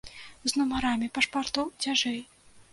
З нумарамі пашпартоў цяжэй.